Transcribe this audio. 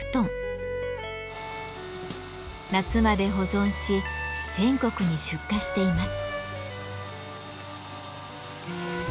夏まで保存し全国に出荷しています。